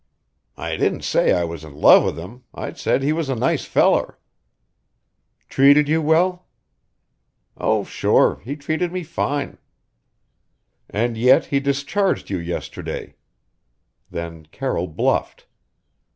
"I didn't say I was in love with him. I said he was a nice feller." "Treated you well?" "Oh, sure he treated me fine." "And yet he discharged you yesterday." Then Carroll bluffed.